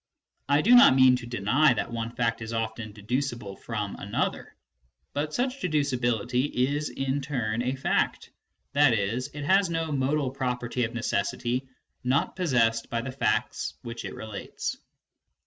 I do not mean to deny that one fact is often dedu cible from another ; but such deducibility is in turn a fact, i.e. it has no modal property of necessity not possessed by the facts which it relates.